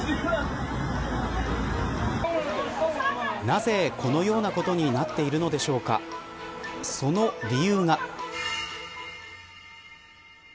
なぜ、このようなことになっているのでしょうか。その理由が。